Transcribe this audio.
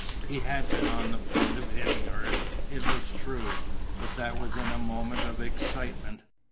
He had been on the point of hitting her, it was true, but that was in a moment of excitement.